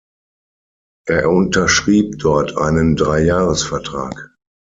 Er unterschrieb dort einen Dreijahresvertrag.